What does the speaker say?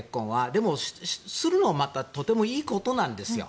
でも、するのはとてもいいことなんですよ。